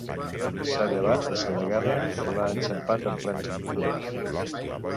S'ha llevat, assedegada, i l'ha enxampat en plena escriptura.